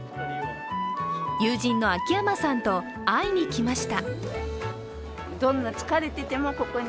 友人の秋山さんと会いに来ました。